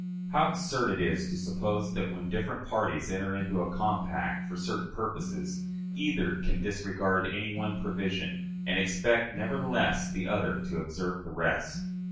"How absurd it is to suppose that, when different parties enter into a compact for certain purposes, either can disregard any one provision, and expect, nevertheless, the other to observe the rest!...